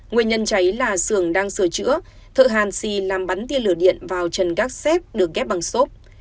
nguyên nhân cháy là xường đang sửa chữa thợ hàn xì làm bắn tiên lửa điện vào chân gác xép được ghép bằng xốp